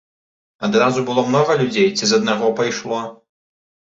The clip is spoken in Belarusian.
Адразу было многа людзей ці з аднаго пайшло?